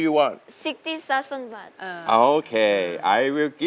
เพื่อนรักไดเกิร์ต